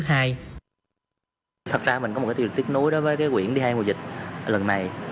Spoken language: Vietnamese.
thật ra mình có một tiêu diệt tiết nối với quyển đi hai mùa dịch lần này